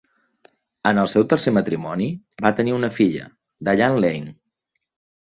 En el seu tercer matrimoni, va tenir una filla, Diane Lane.